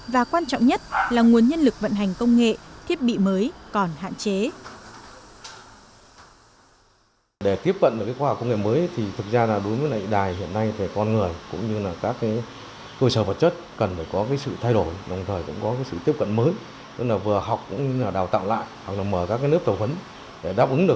và quan trọng nhất là nguồn nhân lực vận hành công nghệ thiết bị mới còn hạn chế